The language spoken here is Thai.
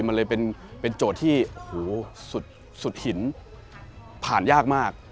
มันเลยเป็นโจทย์ที่สุดหินผ่านยากมาก